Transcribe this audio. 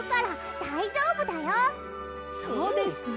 そうですね。